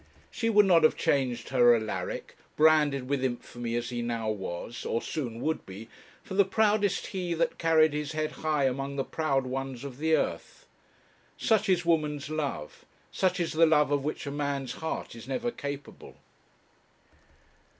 She would not have changed her Alaric, branded with infamy as he now was, or soon would be, for the proudest he that carried his head high among the proud ones of the earth. Such is woman's love; such is the love of which a man's heart is never capable!